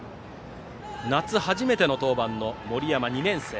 夏初めての登板の森山２年生。